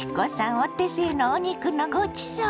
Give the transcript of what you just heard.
お手製のお肉のごちそう！